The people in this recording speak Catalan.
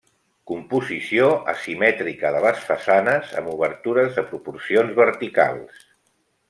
Composició asimètrica de les façanes, amb obertures de proporcions verticals.